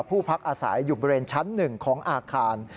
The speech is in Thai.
พักอาศัยอยู่บริเวณชั้น๑ของอาคาร